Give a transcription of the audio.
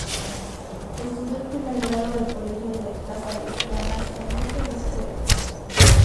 Estudio el primer grado del Colegio de las Salesianas en Luque y Escobedo.